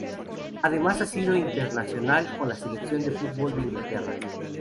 Además ha sido internacional con la Selección de fútbol de Inglaterra.